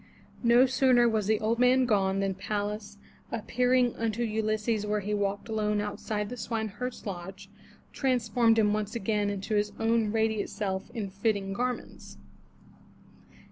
No sooner was the old man gone than Pallas, appearing unto Ulysses where he walked alone outside the swine herd's lodge, transformed him once again to his own radiant self in fitting garments.